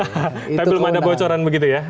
tapi belum ada bocoran begitu ya